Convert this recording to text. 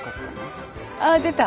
あ出た！